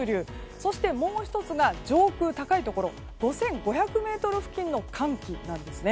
そしてもう１つが上空高いところの５５００ｍ付近の寒気なんですね。